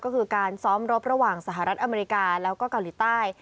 ก็คือการซ้อมรบระหว่างสหรัฐอเมริกาแล้วก็เกาหลีใต้